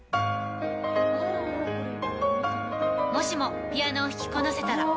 もしもピアノを弾きこなせたら。